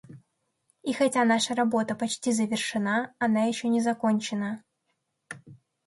И хотя наша работа почти завершена, она еще не закончена.